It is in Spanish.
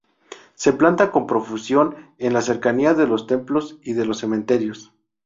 Se planta con profusión en la cercanía de los templos y de los cementerios.